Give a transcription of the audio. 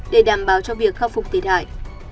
để đảm bảo cho việc khắc phục tệt hại